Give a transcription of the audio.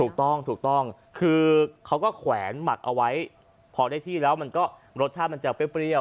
ถูกต้องถูกต้องคือเขาก็แขวนหมักเอาไว้พอได้ที่แล้วมันก็รสชาติมันจะเปรี้ยว